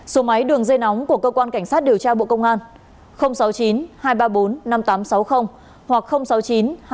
số máy đường dây nóng của cơ quan cảnh sát điều tra bộ công an sáu mươi chín hai trăm ba mươi bốn năm nghìn tám trăm sáu mươi hoặc sáu mươi chín hai trăm ba mươi hai một nghìn sáu trăm sáu mươi bảy